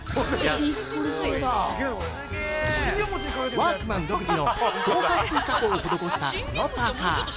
◆ワークマン独自の高はっ水加工を施したこのパーカー。